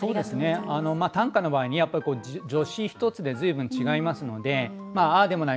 短歌の場合にやっぱ助詞一つで随分違いますのでああでもない